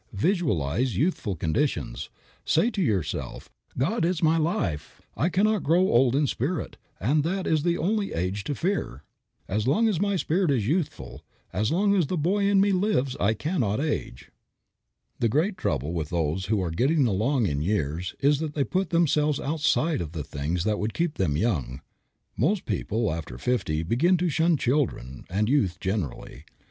Visualize youthful conditions. Say to yourself, "God is my life. I cannot grow old in spirit, and that is the only old age to fear. As long as my spirit is youthful; as long as the boy in me lives, I cannot age." The great trouble with those who are getting along in years is that they put themselves outside of the things that would keep them young. Most people after fifty begin to shun children and youth generally.